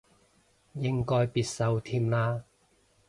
應該必修添啦